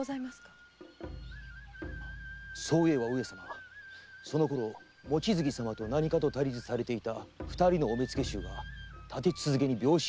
そういえば上様そのころ望月様と何かと対立されていた二人のお目付衆が立て続けに病死いたしております。